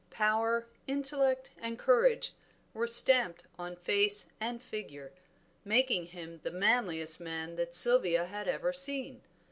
Power, intellect, and courage were stamped on face and figure, making him the manliest man that Sylvia had ever seen.